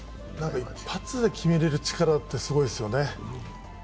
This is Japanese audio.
一発で決めれる力ってすごいですよね。